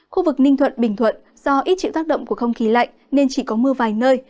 khu vực ninh thuận bình thuận do ít chịu tác động của không khí lạnh nên chỉ có mưa vài nơi